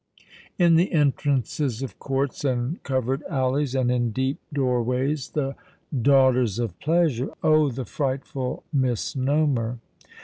In the entrances of courts and covered alleys and in deep doorways the "daughters of pleasure" (oh! the frightful misnomer!)